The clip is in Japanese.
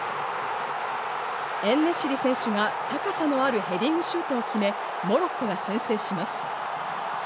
エンネシリ選手が高さのあるヘディングシュートを決め、モロッコが先制します。